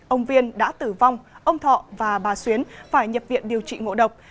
ông viên đã tử vong ông thọ và bà xuyến phải nhập viện điều trị ngộ độc